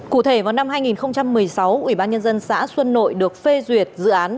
cụ thể vào năm hai nghìn một mươi sáu ủy ban nhân dân xã xuân nội được phê duyệt dự án